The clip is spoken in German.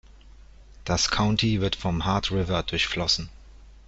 Das County wird vom Heart River durchflossen.